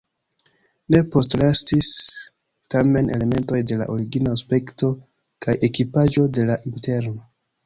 Ne postrestis tamen elementoj de la origina aspekto kaj ekipaĵo de la interno.